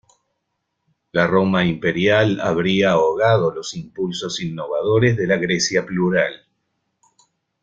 La Roma imperial habría ahogado los impulsos innovadores de la Grecia plural.